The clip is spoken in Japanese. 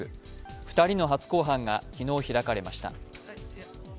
２人の初公判が昨日開かれました。